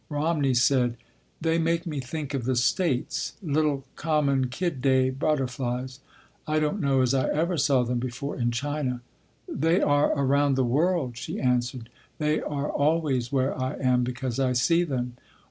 Romney said: "They make me think of the States—little common kid day butterflies. I don’t know as I ever saw them before in China." "They are around the world," she answered. "They are always where I am because I see them.